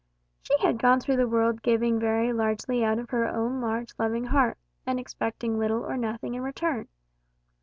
She had gone through the world giving very largely out of her own large loving heart, and expecting little or nothing in return.